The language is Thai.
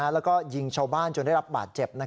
แล้วก็ยิงชาวบ้านจนได้รับบาดเจ็บ